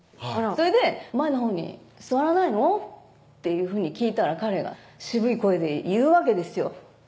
「前のほうに座らないの？」っていうふうに聞いたら彼が渋い声で言うわけですよ